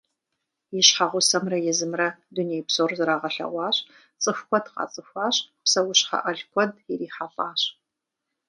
И щхьэгъусэмрэ езымрэ дуней псор зрагъэлъэгъуащ, цӏыху куэд къацӏыхуащ, псэущхьэ ӏэл куэд ирихьэлӏащ.